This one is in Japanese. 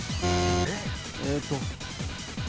えーっと。